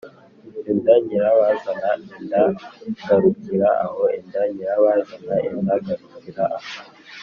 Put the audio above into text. ‘enda nyirabazana, enda garukira aho enda nyirabazana, enda garukira aho,